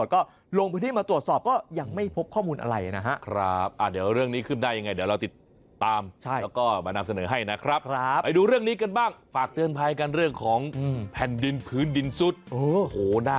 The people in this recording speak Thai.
ขอปืนมาขอปืนมาขอปืนมาขอปืนมาขอปืนมาขอปืนมาขอปืนมาขอปืนมาขอปืนมาขอปืนมาขอปืนมาขอปืนมาขอปืนมา